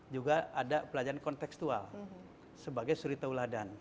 juga ada pelajaran kontekstual sebagai surita uladan